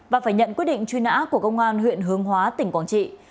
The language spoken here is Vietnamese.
và phải nhận quy định truy nã của công an huyện hương hóa tỉnh quảng trị